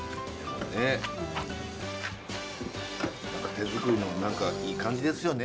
手作りの何かいい感じですよね。